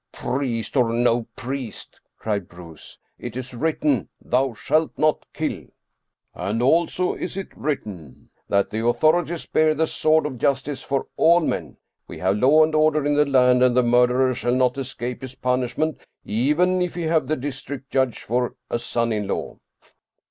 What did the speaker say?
" Priest or no priest," cried Bruus, " it is written, ' thou shalt not kill! ' And also is it written, that the authorities bear the sword of justice for all men. We have law and order in the land, and the murderer shall not escape his punishment, even if he have the district judge for a son in law."